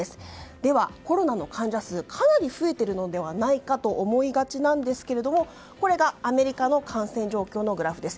では、コロナの患者数かなり増えているのではないかと思いがちなんですがこれがアメリカの感染状況のグラフです。